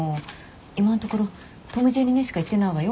今んところ「トムジェリね」しか言ってないわよ